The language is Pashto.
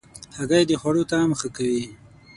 هګۍ د خوړو طعم ښه کوي.